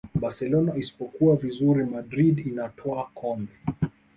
barcelona isipokuwa vizuri madrid inatwaa kombe